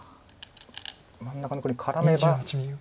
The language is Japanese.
真ん中の黒に絡めば。